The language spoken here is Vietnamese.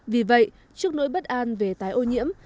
vì vậy trước nỗi bất an về tái ô nhiễm